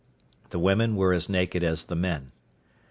The women were as naked as the men.